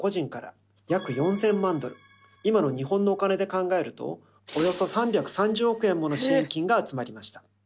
今の日本のお金で考えるとおよそ３３０億円もの支援金が集まりました。